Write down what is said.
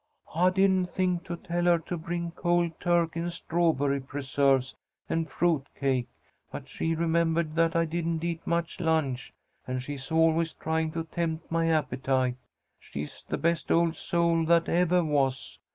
"I didn't think to tell her to bring cold turkey and strawberry preserves and fruit cake, but she remembered that I didn't eat much lunch, and she is always trying to tempt my appetite. She's the best old soul that evah was.